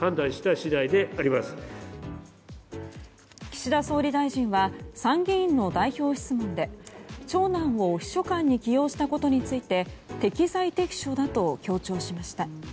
岸田総理大臣は参議院の代表質問で長男を秘書官に起用したことについて適材適所だと強調しました。